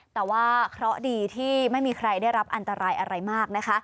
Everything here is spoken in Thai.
แต่ว่าเคราะห์ดีที่ไม่มีใครได้รับอันตรายอะไรมากนะคะ